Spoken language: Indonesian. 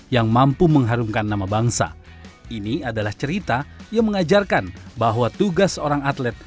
yang mampu mengharumkan nama bangsa ini adalah cerita yang mengajarkan bahwa tugas seorang atlet